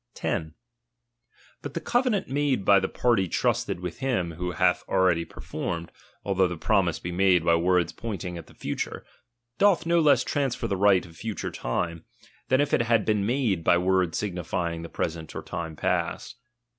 ■' 10. But the covenant made by the party trusted s with him who hath already performed, although the promise be made by words pointing at the fu ture, doth no less transfer the right of future time, than if it had been made by words signifying the present or time past.